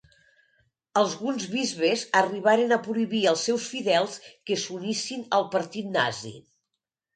Alguns bisbes arribaren a prohibir als seus fidels que s'unissin al Partit Nazi.